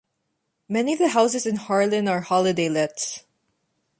Many of the houses in Harlyn are holiday lets.